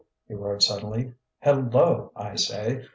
he roared suddenly. "Hel lo, I say!...